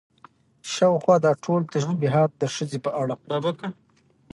شاوخوا دا ټول تشبيهات د ښځې په اړه